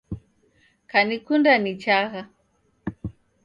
Kanikunda nichagha